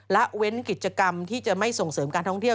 ละเว้นกิจกรรมที่จะไม่ส่งเสริมการท่องเที่ยว